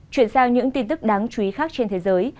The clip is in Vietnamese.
chuyển sang những tin tức đáng chú ý khác trên thế giới